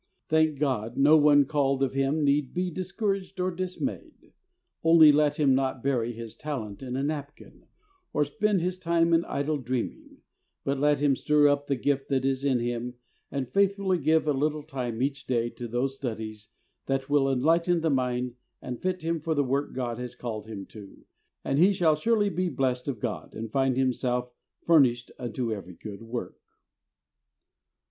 Thank God, no one called of Him need be discouraged or dismayed. Only let him not bury his talent in a napkin, nor spend his time in idle dreaming, but let him stir up the gift that is in him and faithfully give a little time each day to those studies that will enlighten the mind and fit him for the work God has called him to, and he shall surely be blessed of God and find himself "furnished unto every good work."